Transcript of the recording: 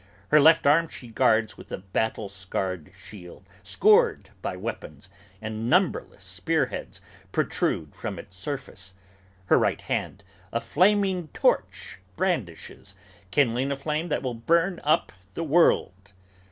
Her left arm she guards with a battle scarred shield scored by weapons, And numberless spear heads protrude from its surface: her right hand A flaming torch brandishes, kindling a flame that will burn up The world!